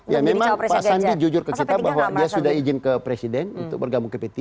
ya memang pak sandi jujur ke kita bahwa dia sudah izin ke presiden untuk bergabung ke p tiga